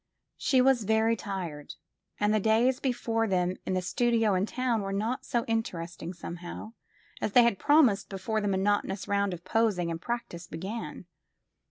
She was very tired, and the days before them in the studio in town were not so interesting, somehow, as they had promised before the monotonous round of posing and practice began.